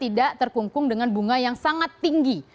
tidak terkungkung dengan bunga yang sangat tinggi